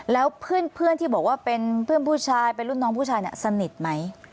แล้วเพื่อนที่บอกว่าเป็นเพื่อนผู้ชายเป็นรุ่นน้องผู้ชายเนี่ยสนิทไหม